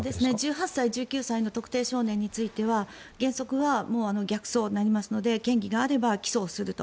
１８歳、１９歳の特定少年については原則は逆送になるので嫌疑があれば起訴をすると。